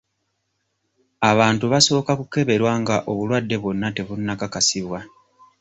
Abantu basooka kukeberwa nga obulwadde bwonna tebunnakakasibwa.